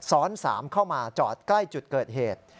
ซ้อน๓เข้ามาจอดใกล้จุดเกิดเหตุ